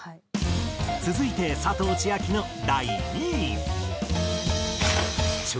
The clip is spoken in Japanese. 続いて佐藤千亜妃の第２位。